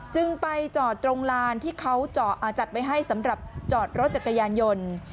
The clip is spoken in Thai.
จึงไปจอดตรงลานที่เขาจัดไว้ให้สำหรับจอดรถจักรยานยนต์